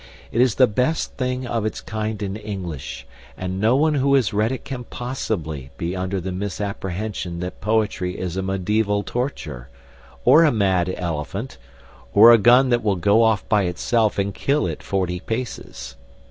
It is the best thing of its kind in English, and no one who has read it can possibly be under the misapprehension that poetry is a mediaeval torture, or a mad elephant, or a gun that will go off by itself and kill at forty paces.